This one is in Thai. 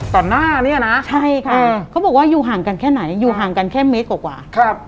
หน้าเนี่ยนะใช่ค่ะเขาบอกว่าอยู่ห่างกันแค่ไหนอยู่ห่างกันแค่เมตรกว่าครับ